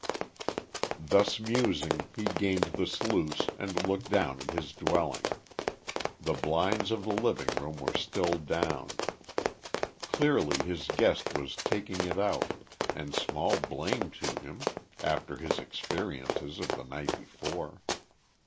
Thus musing he gained the sluice and looked down at his dwelling. The blinds of the living room were still down. Clearly his guest was "taking it out," and small blame to him, after his experiences of the night before.